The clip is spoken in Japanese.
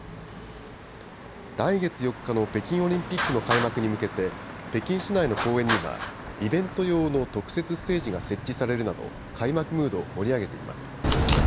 来月４日の北京オリンピックの開幕に向けて北京市内の公園にはイベント用の特設ステージが設置されるなど開幕ムードを盛り上げています。